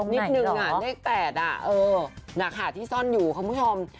ตรงไหนเหรอเลข๘น่ะค่ะที่ซ่อนอยู่ครับคุณผู้ชม